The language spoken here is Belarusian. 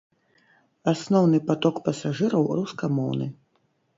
Асноўны паток пасажыраў рускамоўны.